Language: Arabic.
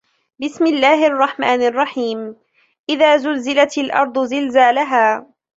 بسم الله الرحمن الرحيم إذا زلزلت الأرض زلزالها